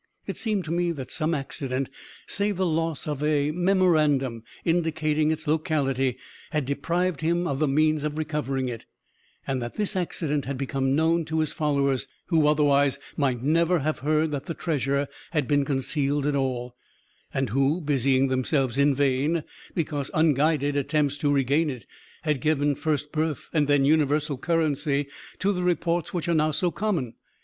It seemed to me that some accident say the loss of a memorandum indicating its locality had deprived him of the means of recovering it, and that this accident had become known to his followers, who otherwise might never have heard that the treasure had been concealed at all, and who, busying themselves in vain, because unguided, attempts to regain it, had given first birth, and then universal currency, to the reports which are now so common.